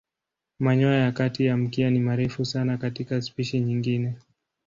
Manyoya ya kati ya mkia ni marefu sana katika spishi nyingine.